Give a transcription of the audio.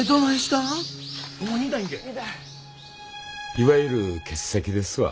いわゆる結石ですわ。